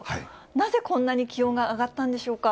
なぜこんなに気温が上がったんでしょうか。